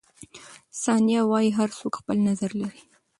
ثانیه وايي، هر څوک خپل نظر لري.